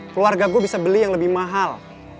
keluarga gue bisa beli yang lebih mahal